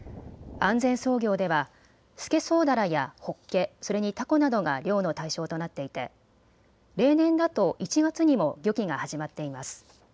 安全操業ではスケソウダラやホッケ、それにタコなどが漁の対象となっていて例年だと１月にも漁期が始まっています。